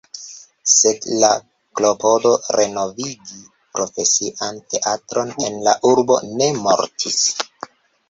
Sed la klopodo renovigi profesian teatron en la urbo ne mortis.